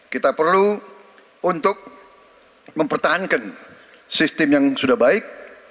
kita perlu untuk mempertahankan sistem yang sudah baik